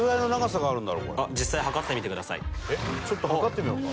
ちょっと測ってみようか。